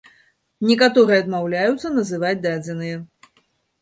Некаторыя адмаўляюцца называць дадзеныя.